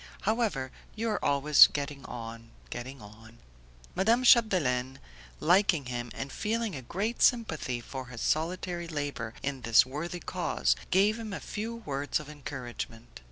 However you are always getting on, getting on." Madame Chapdelaine, liking him, and feeling a great sympathy for his solitary labour in this worthy cause, gave him a few words of encouragement.